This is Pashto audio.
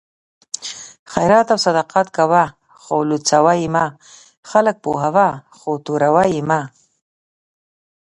خیرات او صدقات کوه خو لوڅوه یې مه؛ خلک پوهوه خو توروه یې مه